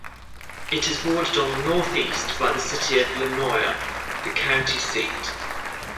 It is bordered on the northeast by the city of Lenoir, the county seat.